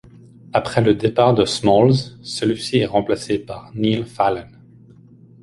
Après le départ de Smalls, celui-ci est remplacé par Neil Fallon.